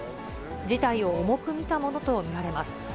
事態を重く見たものと見られます。